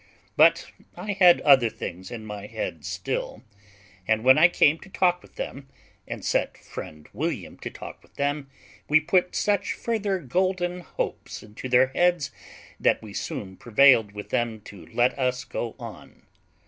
But I had other things in my head still, and when I came to talk with them, and set friend William to talk with them, we put such further golden hopes into their heads that we soon prevailed with them to let us go on.